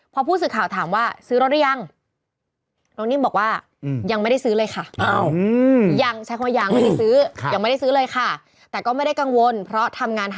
พอผู้สื่อข่าวถามว่าซื้อรถหรือยัง